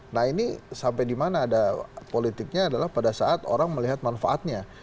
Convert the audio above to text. nah ini sampai di mana ada politiknya adalah pada saat orang melihat manfaatnya